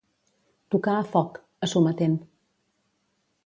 Tocar a foc, a sometent.